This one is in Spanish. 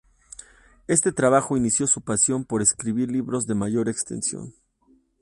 Este trabajo inició su pasión por escribir libros de mayor extensión.